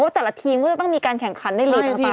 เพราะว่าแต่ละทีมก็จะต้องมีการแข่งคันได้เหลียดต่างเนี่ย